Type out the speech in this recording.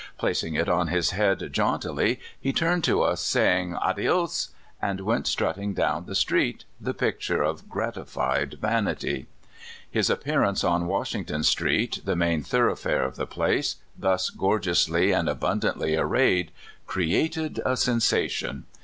Placing it on his head jauntily, he turned to us, saying, ^'Adios!'' and went strut ting down the street, the picture of gratified vanity. His appearance on Washington Street, the main thoroughfare of the place, thus gorgeously and abundantly arrayed, created a sensation.